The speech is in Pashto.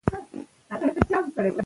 د مور پاملرنه ماشوم ته امن ورکوي.